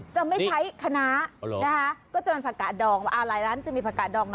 จะไม่ใช้ขนาก็จะเป็นผักกาดดองหลายร้านจะมีผักกาดดอง